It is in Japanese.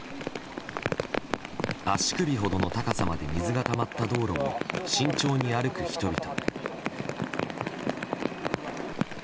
足首ほどの高さまで水がたまった道路を慎重に歩く人々。